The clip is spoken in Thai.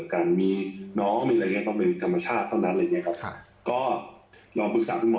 การมีน้องมีอะไรอย่างเงี้ต้องเป็นธรรมชาติเท่านั้นอะไรอย่างเงี้ครับค่ะก็ลองปรึกษาคุณหมอ